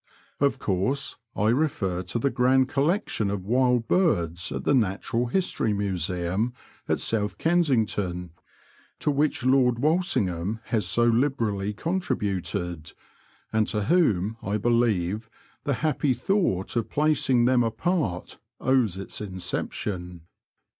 Of course I refer to the grand collection of wild birds at the Natural History Museum at South Kensington, to which Lord Walsingham has so liberally contributed, and to whom I believe the happy thought " of placing them apart owes its inception.